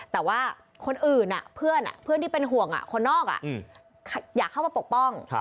แต่ว่าคนอื่นเพื่อนที่เป็นห่วงคนนอกอยากเข้ามาปกป้อง